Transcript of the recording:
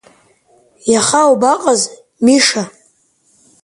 Иаха уабаҟаз, Миша?